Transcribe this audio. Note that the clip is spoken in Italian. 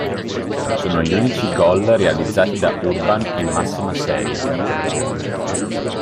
Sono gli unici gol realizzati da Urban in massima serie.